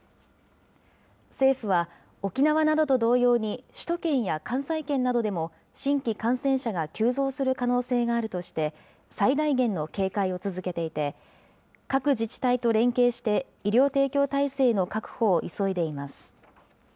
政府は沖縄などと同様に、首都圏や関西圏などでも新規感染者が急増する可能性があるとして、最大限の警戒を続けていて、各自治体と連携して、医療提供体制の確保を急いでいます。